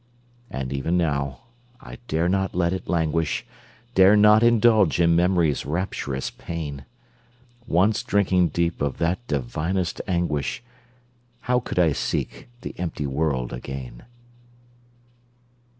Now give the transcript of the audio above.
And even now, I dare not let it languish, Dare not indulge in Memory's rapturous pain; Once drinking deep of that divinest anguish, How could I seek the empty world again?